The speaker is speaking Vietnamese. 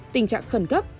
tình trạng khẩn cấp